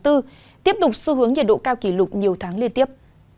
tiếp tục xu hướng nhiệt độ cao kỷ lục nhiều tháng liên tiếp